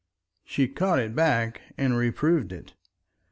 She caught it back and reproved it.